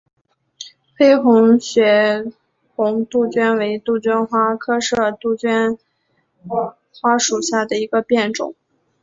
黑红血红杜鹃为杜鹃花科杜鹃花属下的一个变种。